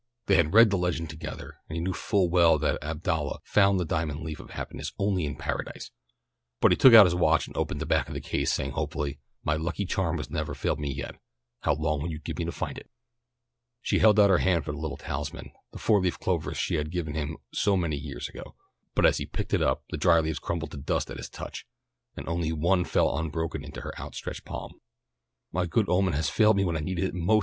They had read the legend together, and he knew full well that Abdallah found the diamond leaf of happiness only in Paradise, but he took out his watch and opened the back of the case, saying hopefully, "My lucky charm has never failed me yet, how long will you give me to find it?" She held out her hand for the little talisman, the four leaf clover she had given him so many years ago, but as he picked it up, the dry leaves crumbled to dust at his touch, and only one fell unbroken into her outstretched palm. "My good omen has failed me when I needed it most!"